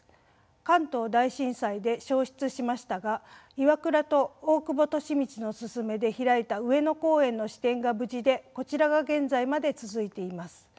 関東大震災で焼失しましたが岩倉と大久保利通のすすめで開いた上野公園の支店が無事でこちらが現在まで続いています。